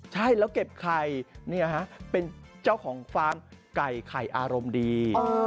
ใช่แล้วเก็บไข่เป็นเจ้าของฟาร์มไก่ไข่อารมณ์ดี